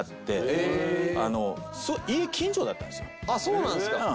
あっそうなんですか？